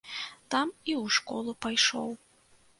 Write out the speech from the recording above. Там і ў школу пайшоў.